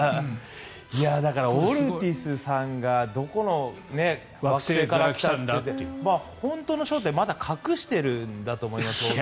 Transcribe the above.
だからオルティズさんがどこの惑星から来たんだって本当の正体をまだ大谷さんは隠しているんだと思います。